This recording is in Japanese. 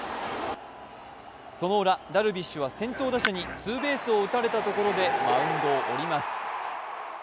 そのウラ、ダルビッシュは先頭打者にツーベースを打たれたところでマウンドを降ります。